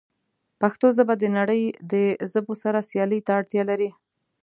پښتو ژبه د نړۍ د ژبو سره سیالۍ ته اړتیا لري.